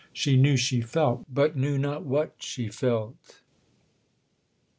—She knew she felt, but knew not what she felt.